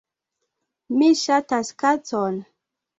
Mi ŝatas kacon